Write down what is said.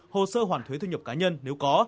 hồ sơ hoàn thuế thu nhập cá nhân nếu có